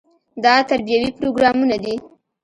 دا تربیوي پروګرامونه دي.